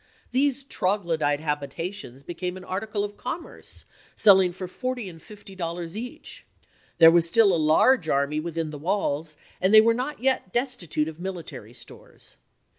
These troglodyte habitations be came an article of commerce, selling for forty or fifty dollars each. There was still a large army within the walls and they were not yet destitute of military stores.